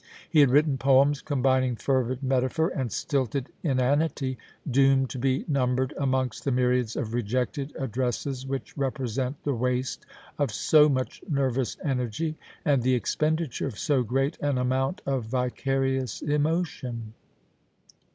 He had written poems combining fervid metaphor and stilted inanity, doomed to be numbered amongst the myriads of rejected addresses which represent the waste of so much nervous energy and the expenditure of so great an amount of vicarious emotion.